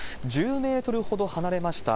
１０メートルほど離れました